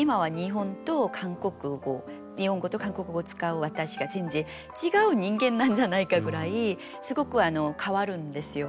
今は日本語と韓国語を使う私が全然違う人間なんじゃないかぐらいすごく変わるんですよ。